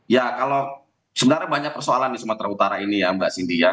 ya kalau sebenarnya banyak persoalan di sumatera utara ini ya mbak sindi ya